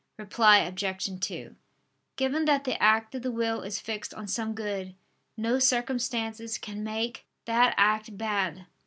Reply Obj. 2: Given that the act of the will is fixed on some good, no circumstances can make that act bad.